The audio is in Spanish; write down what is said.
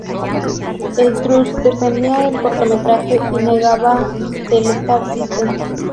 El trust defendía el cortometraje y negaba el Star-System.